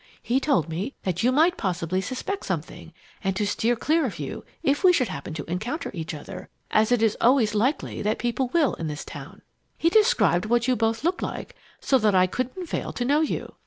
He told me that you might possibly suspect something, and to steer clear of you if we should happen to encounter each other, as it is always likely that people will, in this town. He described what you both looked like, so that I couldn't fail to know you.